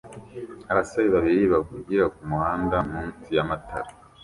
Abasore babiri bavugira kumuhanda munsi yamatara